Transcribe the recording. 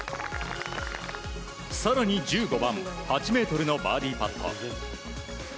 更に１５番、８ｍのバーディーパット。